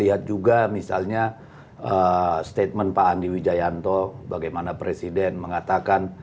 lihat juga misalnya statement pak andi wijayanto bagaimana presiden mengatakan